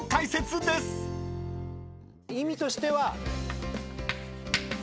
意味としては。